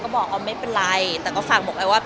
พอยก็บอกอ๋อไม่เป็นไรแต่ก็ฝากบอกแหละว่า